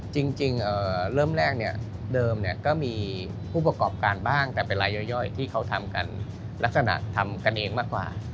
จริงเริ่มแรกเนี่ยเดิมก็มีผู้ประกอบการบ้างแต่เป็นรายย่อยที่เขาทำกันลักษณะทำกันเองมากกว่า